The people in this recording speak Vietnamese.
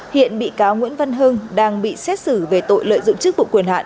hiện bị cáo nguyễn văn hưng đang bị xét xử về tội lợi dụng chức vụ quyền hạn